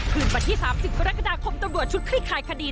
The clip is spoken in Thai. พื้นบันที่๓๐กรกฎาคมตรวจชุดคลิกขายคดี